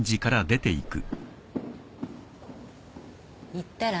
行ったら？